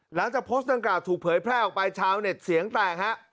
หลังจากโพสต์ดังกล่าวถูกเผยแพร่ออกไปชาวเน็ตเสียงแตกฮะ